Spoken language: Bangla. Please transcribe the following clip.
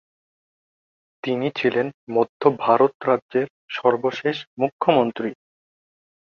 তিনি ছিলেন মধ্য ভারত রাজ্যের সর্বশেষ মুখ্যমন্ত্রী।